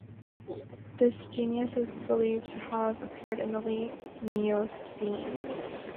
This genus is believed to have appeared in the late Miocene.